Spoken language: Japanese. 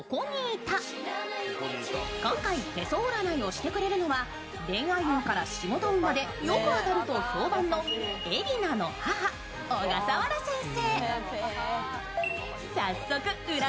今回、手相占いをしてくれるのは恋愛運から仕事運までよく当たると評判の海老名の母・小笠原先生。